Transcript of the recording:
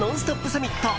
サミット。